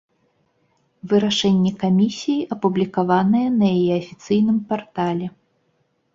Вырашэнне камісіі апублікаванае на яе афіцыйным партале.